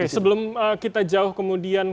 sebelum kita jauh kemudian